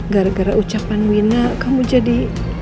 gara gara ucapan wina kamu jadi